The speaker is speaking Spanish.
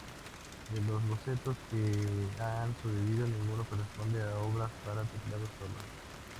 De los bocetos que han sobrevivido, ninguno corresponde a obras para teclado solo.